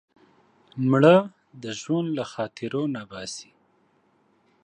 مړه د ژوند له خاطرو نه باسې